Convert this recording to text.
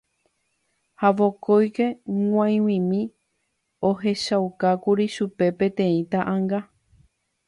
ha vokóike g̃uaig̃uimi ohechaukákuri chupe peteĩ ta'ãnga